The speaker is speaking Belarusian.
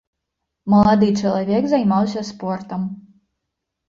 Малады чалавек займаўся спортам.